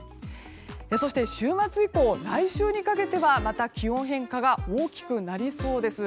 そして、週末以降来週にかけてはまた気温変化が大きくなりそうです。